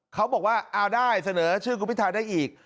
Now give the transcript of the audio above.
เขาบอกว่าเอาได้เสนอชื่อคุณพิทาได้อีก